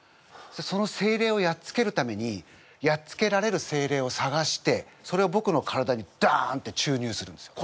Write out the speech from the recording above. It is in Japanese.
そのせいれいをやっつけるためにやっつけられるせいれいをさがしてそれをぼくの体にドンって注入するんですよ